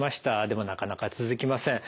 でもなかなか続きません。